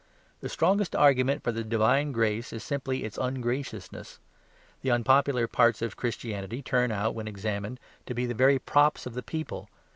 The strongest argument for the divine grace is simply its ungraciousness. The unpopular parts of Christianity turn out when examined to be the very props of the people.